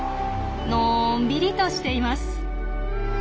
のんびりとしています。